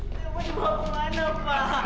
jangan dibawa ke mana pak